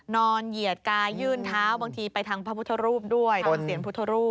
เหยียดกายยื่นเท้าบางทีไปทางพระพุทธรูปด้วยทางเสียงพุทธรูป